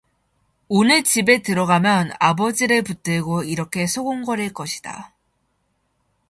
오늘 집에 들어가면 아버지를 붙들고 이렇게 소곤거릴 것이다.